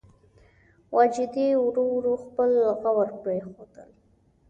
واجدې ورو ورو خپل غوړ پرېښودل.